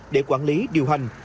để quản lý điều hành